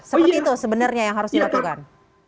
seperti itu sebenarnya yang harus dilakukan